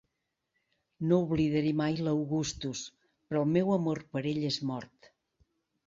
No oblidaré mai l'Augustus, però el meu amor per ell és mort.